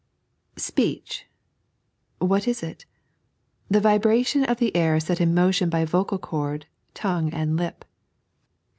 SPEECH I What is it 1 The vibration of the air Bot in motion by vocal chord, tongue, and lip.